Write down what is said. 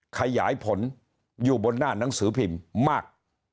ขยายผลอยู่บนหน้าหนังสือพิมพ์มาก